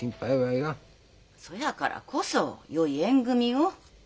そやからこそよい縁組みを。